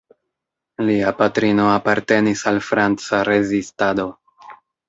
Lia patrino apartenis al franca rezistado.